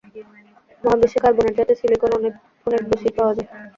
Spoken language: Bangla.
মহাবিশ্বে কার্বনের চাইতে সিলিকন অনেক অনেক বেশি পাওয়া যায়।